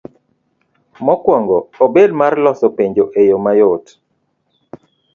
Mokuong'o obed mar loso penjo e yo mayot.